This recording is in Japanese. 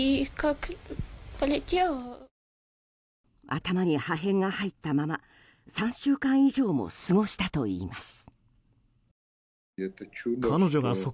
頭に破片が入ったまま３週間以上も過ごしたといいます。